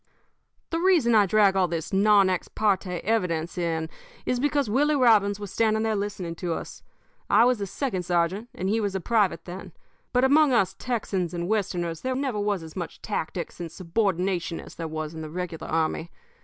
"The reason I drag all this non ex parte evidence in is because Willie Robbins was standing there listening to us. I was a second sergeant and he was a private then, but among us Texans and Westerners there never was as much tactics and subordination as there was in the regular army.